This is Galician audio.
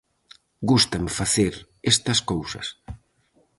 Gústame facer estas cousas.